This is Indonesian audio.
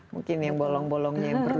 mungkin yang bolong bolongnya yang perlu